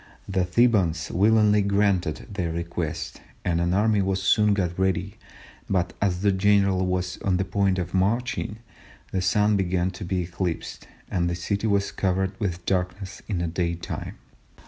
"The Thebans willingly granted their request, and an army was soon got ready, but as the general was on the point of marching, the Sun began to be eclipsed, and the city was covered with darkness in the day time."